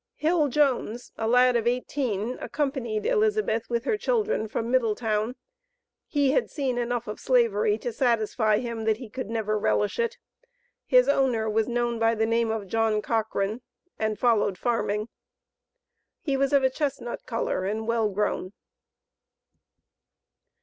Hill Jones, a lad of eighteen, accompanied Elizabeth with her children from Middletown. He had seen enough of Slavery to satisfy him that he could never relish it. His owner was known by the name of John Cochran, and followed farming. He was of a chestnut color, and well grown.